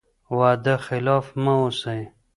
وعده خلاف مه اوسئ.